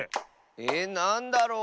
えっなんだろう？